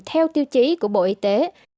theo tiêu chí của bộ y tế